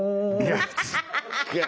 ハハハハハ。